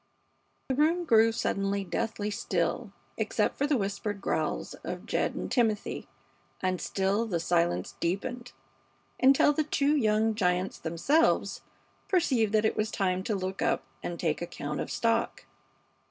The room grew suddenly deathly still, except for the whispered growls of Jed and Timothy, and still the silence deepened, until the two young giants themselves perceived that it was time to look up and take account of stock.